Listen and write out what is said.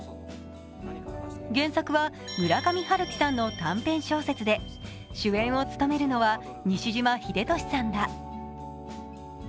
原作は村上春樹さんの短編小説で、主演を務めるのは西島秀俊さんだ。